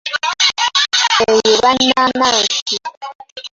Eyo eba nnaanansi.